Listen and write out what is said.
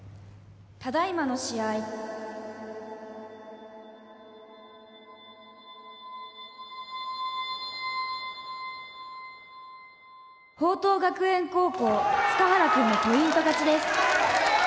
「ただ今の試合」「朋桐学園高校束原くんのポイント勝ちです」